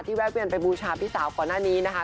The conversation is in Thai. แวะเวียนไปบูชาพี่สาวก่อนหน้านี้นะคะ